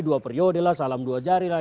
dua periode lah salam dua jari lah